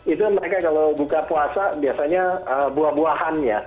itu mereka kalau buka puasa biasanya buah buahan ya